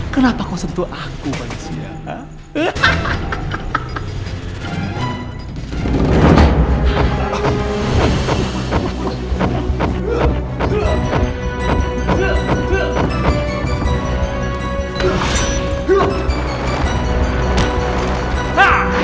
kenapa kau sentuh aku wajah